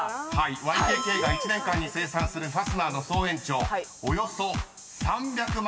［ＹＫＫが１年間に生産するファスナーの総延長およそ３００万ｋｍ］